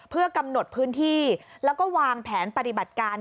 เพื่อกำหนดพื้นที่แล้วก็วางแผนปฏิบัติการ